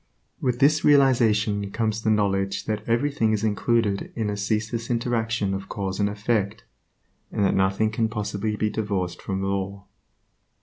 With this realization comes the knowledge that everything is included in a ceaseless interaction of cause and effect, and that nothing can possibly be divorced from law.